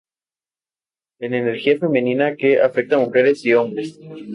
En energía femenina que afecta a mujeres y hombres.